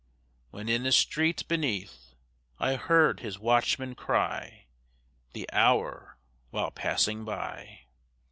When in the street beneath I heard his watchman cry The hour, while passing by.